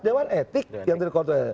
dewan etik yang dikontrol